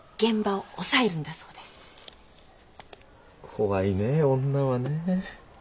怖いねえ女はねえ。